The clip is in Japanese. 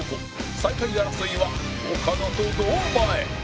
最下位争いは岡野と堂前